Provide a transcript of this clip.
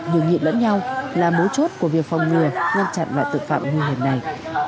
nhường nhịn lẫn nhau là mối chốt của việc phòng ngừa ngăn chặn lại tự phạm nguy hiểm này